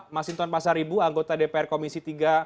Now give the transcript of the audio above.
masinton pasaribu anggota dpr komisi tiga